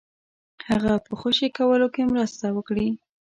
هغه په خوشي کولو کې مرسته وکړي.